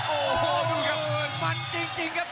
โอ้โหมันจริงจริงครับ